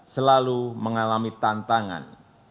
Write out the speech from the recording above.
selalu mengalami tantangan